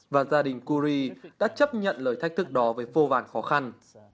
và gia đình curie đã chấp nhận lời thách thức đó với vô vàn khó khăn